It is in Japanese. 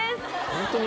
ホントに。